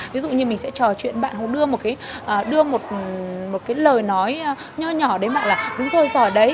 ví dụ như mình sẽ trò chuyện bạn đưa một cái lời nói nhỏ nhỏ đến bạn là đúng rồi giỏi đấy